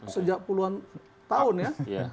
sejak puluhan tahun ya